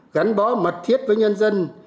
gắn bó mật thiết với nhân dân